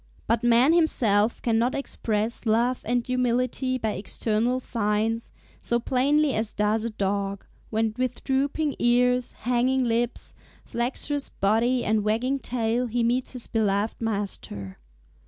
But man himself cannot express love and humility by external signs, so plainly as does a dog, when with drooping ears, hanging lips, flexuous body, and wagging tail, he meets his beloved master.